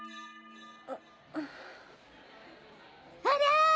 あら！